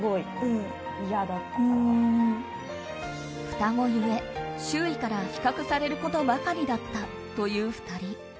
双子ゆえ、周囲から比較されることばかりだったという２人。